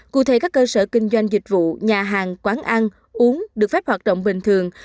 cụ thể các cơ sở kinh doanh dịch vụ nhà hàng quán ăn uống được phép hoạt động bình thường